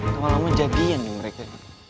lama lama jadian nih mereka